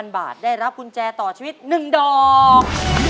๐บาทได้รับกุญแจต่อชีวิต๑ดอก